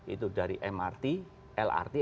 itu dari mrt lrt